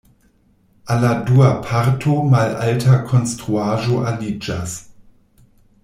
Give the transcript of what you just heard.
Al la dua parto malalta konstruaĵo aliĝas.